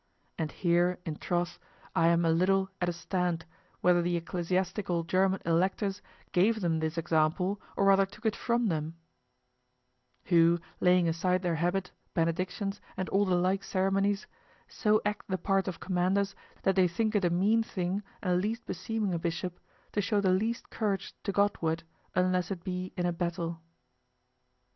And here, in troth, I'm a little at a stand whether the ecclesiastical German electors gave them this example, or rather took it from them; who, laying aside their habit, benedictions, and all the like ceremonies, so act the part of commanders that they think it a mean thing, and least beseeming a bishop, to show the least courage to Godward unless it be in a battle.